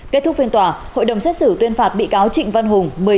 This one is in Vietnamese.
kết thúc phiên tòa hội đồng xét xử tuyên phạt bị cáo trịnh văn hùng